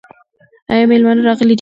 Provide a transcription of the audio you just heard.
ایا مېلمانه راغلي دي؟